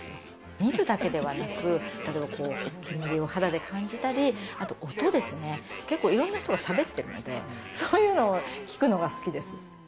見るだけではなく、煙を肌で感じたり、あと音ですね、結構いろんな人がしゃべってるので、そういうのを聞くのが好きです。